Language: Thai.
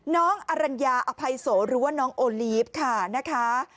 น้องอรัญญาอภัยโสหรือว่าน้องโอลีฟค่ะนะคะ